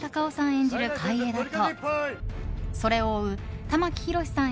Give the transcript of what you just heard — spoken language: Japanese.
演じる海江田とそれを追う玉木宏さん